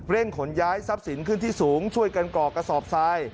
ขนย้ายทรัพย์สินขึ้นที่สูงช่วยกันก่อกระสอบทราย